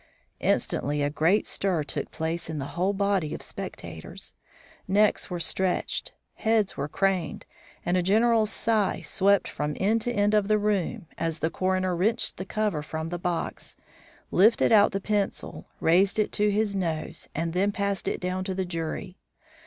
Instantly a great stir took place in the whole body of spectators. Necks were stretched, heads were craned, and a general sigh swept from end to end of the room as the coroner wrenched the cover from the box, lifted out the pencil, raised it to his nose, and then passed it down to the jury.